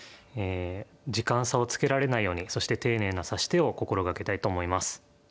時間差をつけられないようにそして丁寧な指し手を心掛けたいと思います。